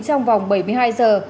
trong vòng bảy mươi hai giờ